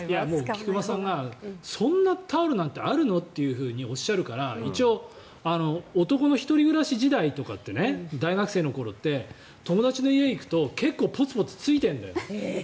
菊間さんがそんなタオルなんてあるの？というふうにおっしゃるから一応、男の１人暮らし時代とか大学生の頃って友達の家に行くと結構ポツポツついてるんだよ。